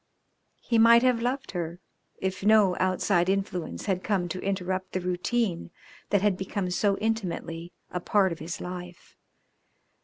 He might have loved her if no outside influence had come to interrupt the routine that had become so intimately a part of his life.